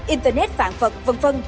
internet phạm vật v v